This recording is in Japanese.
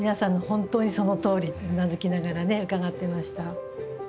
本当にそのとおりってうなずきながら伺ってました。